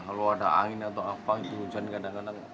kalau ada angin atau apa itu hujan kadang kadang